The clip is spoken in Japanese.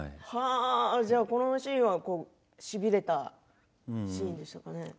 じゃあ、このシーンはしびれたシーンでしたかね。